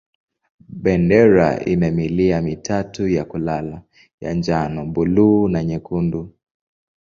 Bendera ina milia mitatu ya kulala ya njano, buluu na nyekundu.